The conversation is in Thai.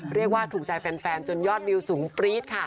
เรียกว่าถูกใจแฟนจนยอดวิวสูงปรี๊ดค่ะ